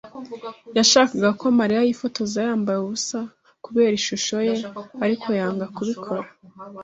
yashakaga ko Mariya yifotoza yambaye ubusa kubera ishusho ye, ariko yanga kubikora.